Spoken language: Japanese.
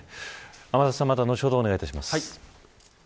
天達さんまた後ほどお願いします。